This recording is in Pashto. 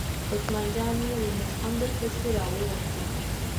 عثمان جان وویل: موږ هم در پسې را ووتو.